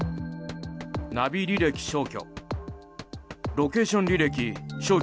ナビ履歴消去。